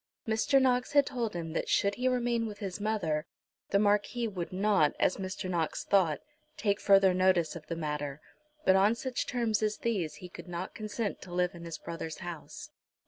Mr. Knox had told him that should he remain with his mother the Marquis would not, as Mr. Knox thought, take further notice of the matter; but on such terms as these he could not consent to live in his brother's house.